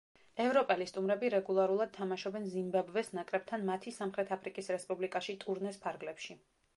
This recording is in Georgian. ევროპელი სტუმრები რეგულარულად თამაშობენ ზიმბაბვეს ნაკრებთან მათი სამხრეთ აფრიკის რესპუბლიკაში ტურნეს ფარგლებში.